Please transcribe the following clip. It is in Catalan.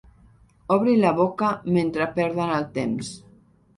Obrin la boca mentre perden el temps.